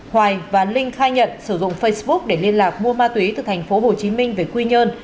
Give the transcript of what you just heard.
hoài và linh khai nhận sử dụng facebook để liên lạc mua ma túy từ thành phố hồ chí minh về quy nhơn